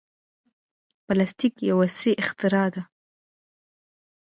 پلاستيک یو عصري اختراع ده.